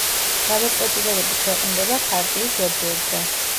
გადაწყვეტილებები ქვეყნდება ქარტიის ვებგვერდზე.